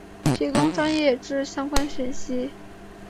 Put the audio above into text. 提供专业之相关讯息